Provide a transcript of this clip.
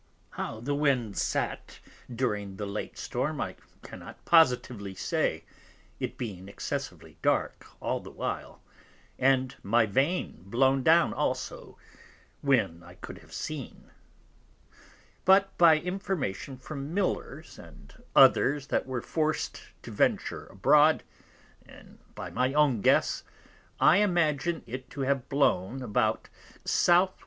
How the Wind sat during the late Storm I cannot positively say, it being excessively dark all the while, and my Vane blown down also, when I could have seen: But by Information from Millers, and others that were forc'd to venture abroad; and by my own guess, I imagin it to have blown about S.W.